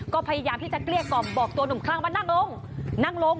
ก็พยายามที่จะเกลี้ยกล่อมบอกตัวหนุ่มคลั่งว่านั่งลงนั่งลง